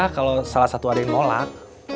kalo salah satu ada yang ngolak